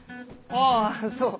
あぁそう。